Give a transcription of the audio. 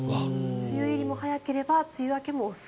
梅雨入りも早ければ梅雨明けも遅い。